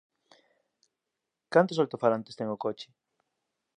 Cantos altofalantes ten o coche?.